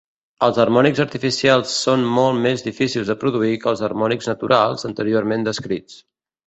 Els harmònics artificials són molt més difícils de produir que els harmònics naturals anteriorment descrits.